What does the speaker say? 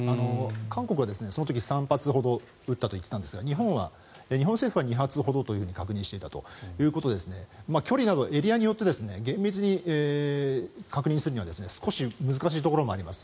韓国はその時、３発ほど撃ったといっていたんですが日本政府は２発ほどと確認していたということで距離などエリアによって厳密に確認するには少し難しいところもあります。